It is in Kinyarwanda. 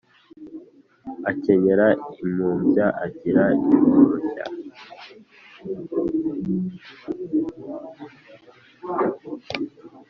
akenyera impumbya agira ihoroshya.